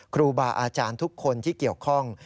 ครูบาอาจารย์ทุกคนที่เกี่ยวข้อง